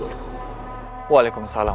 wa rahmatullah wabarakatuh